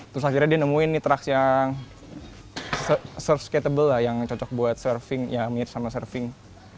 terus akhirnya dia nemuin nih trucks yang surf catable lah yang cocok buat surfing ya mirip sama surfing